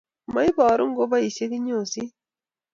moiboru ngoboisiei kinyosit